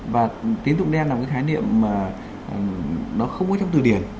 và tiến dụng đen là một cái thái niệm mà nó không có trong từ điển